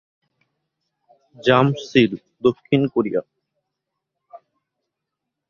যামসিল, দক্ষিণ কোরিয়া।